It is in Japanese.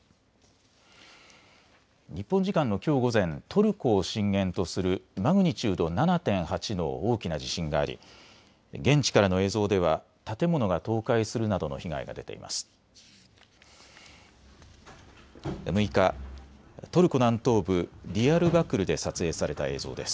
日本時間のきょう午前、トルコを震源とするマグニチュード７．８の大きな地震があり現地からの映像では建物が倒壊するなどの被害が出ています。